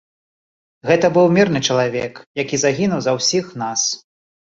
Гэта быў мірны чалавек, які загінуў за ўсіх нас.